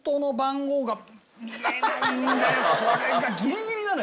これがギリギリなのよ！